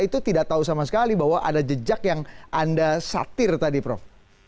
itu tidak tahu sama sekali bahwa ada jejak yang anda satir tadi prof